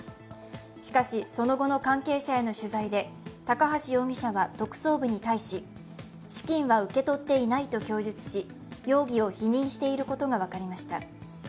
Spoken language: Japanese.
しかし、その後の関係者への取材で高橋容疑者は特捜部に対し、資金は受け取っていないと供述し、容疑を否認していることが分かりました。